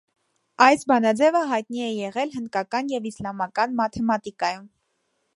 Այս բանաձևը հայտնի է եղել հնդկական և իսլամական մաթեմատիկայում։